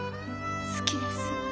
好きです。